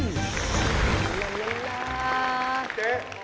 เจ๊